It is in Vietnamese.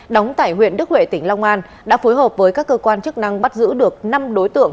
đóng tại huyện đức huệ tỉnh long an đã phối hợp với các cơ quan chức năng bắt giữ được năm đối tượng